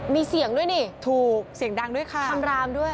มีเสียงด้วยนี่คำรามด้วยถูกเสียงดังด้วยค่ะ